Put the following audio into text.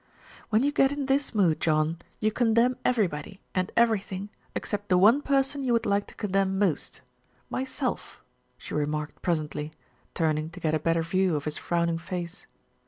"When you get in this mood, John, you condemn everybody and everything except the one person you would like to condemn most, myself," she remarked presently, turning to get a better view of his frowning face.